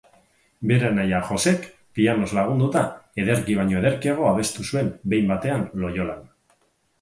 Bere anaia Josek pianoz lagunduta, ederki baino ederkiago abestu zuen "Behin batean Loiolan".